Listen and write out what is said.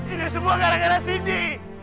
ini semua gara gara sini